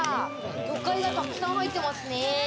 魚介がたくさん入ってますね。